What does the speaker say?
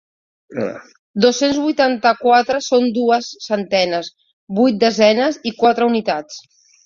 Dos-cents vuitanta-quatre són dues centenes, vuit desenes i quatre unitats.